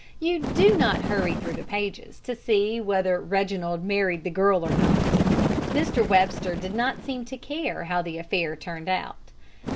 You do not hurry through the pages to see whether Reginald married the girl or not. Mr. Webster did not seem to care how the affair turned out.